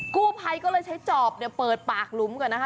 กู่ไพก็เลยใช้จอบเปิดปากหลุมก่อนนะฮะ